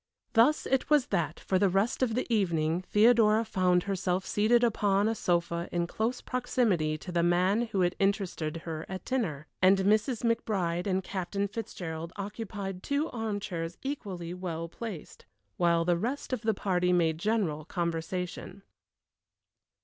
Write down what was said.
Thus it was that for the rest of the evening Theodora found herself seated upon a sofa in close proximity to the man who had interested her at dinner, and Mrs. McBride and Captain Fitzgerald occupied two arm chairs equally well placed, while the rest of the party made general conversation.